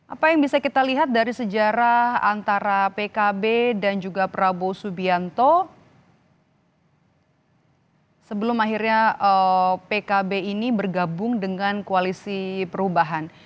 apa yang bisa kita lihat dari sejarah antara pkb dan juga prabowo subianto sebelum akhirnya pkb ini bergabung dengan koalisi perubahan